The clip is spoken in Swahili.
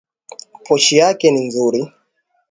Pochi yake ni nzuri.